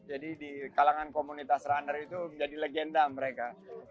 di kalangan komunitas runner itu menjadi legenda mereka